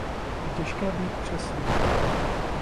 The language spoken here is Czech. Je těžké být přesný.